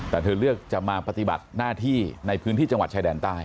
แต่เธอเลือกจะมาปฏิบัติหน้าที่ในพื้นที่จังหวัดชายแดนใต้